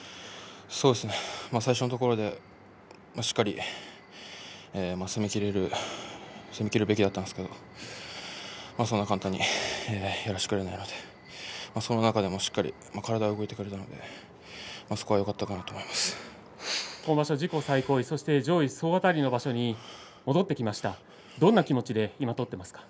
そうですね最初のところでしっかり攻めきれる攻めきるべきだったんですけれどもそう簡単にやらしてくれないのでその中でもしっかり体は動いてくれたので今場所は自己最高位そして総当たりの場所になりました。